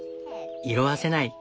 色あせない。